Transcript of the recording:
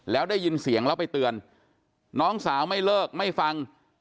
แล้วได้ยินเสียงแล้วไปเตือนน้องสาวไม่เลิกไม่ฟัง